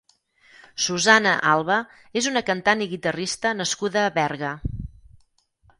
Susana Alva és una cantant i guitarrista nascuda a Berga.